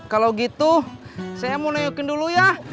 kalau gitu saya mau neyokin dulu ya